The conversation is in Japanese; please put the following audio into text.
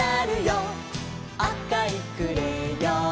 「あかいクレヨン」